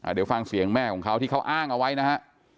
เดี๋ยวฟังเสียงแม่ของเขาที่เขาอ้างเอาไว้นะฮะ